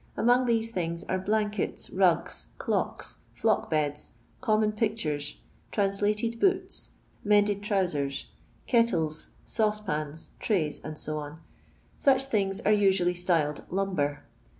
Among these things are blankets, mgs^ clocks, flock beds, common pictures, "translated* boots, mended trowsers, kettles, saucepans^ trayi^ &c. Such things are usually styled " lumber."